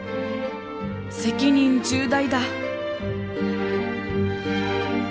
責任重大だ！